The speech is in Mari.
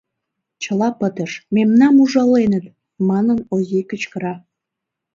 — Чыла пытыш: мемнам ужаленыт! — манын Озий кычкыра.